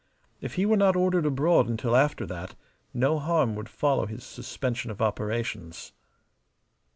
If he were not ordered abroad until after that, no harm would follow his suspension of operations.